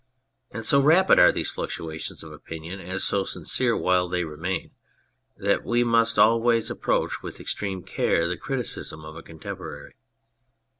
And so rapid are these fluctuations of opinion and so sincere while they remain that we must always approach with extreme care the criticism of a contemporary.